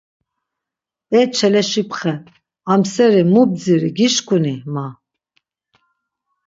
Be Çeleşipxe, amseri mu bziri gişǩuni, ma.